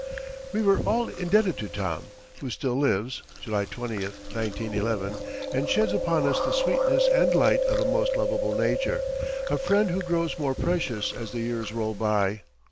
We were all indebted to Tom, who still lives (July 20, 1911) and sheds upon us the sweetness and light of a most lovable nature, a friend who grows more precious as the years roll by.